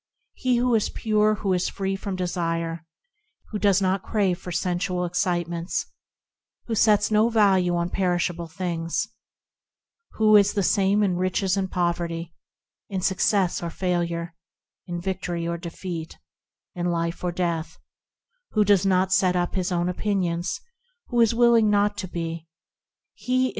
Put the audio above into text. He is pure who is free from desire ; Who does not crave for sensual excitements ; Who sets no value on perishable things; Who is the same in riches and poverty, In success or failure, In victory or defeat, In life or death; Who does not set up his own opinions ; Who is willing not to be ; Lo